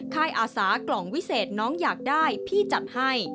ค่ายอาสากล่องวิเศษน้องอยากได้พี่จัดให้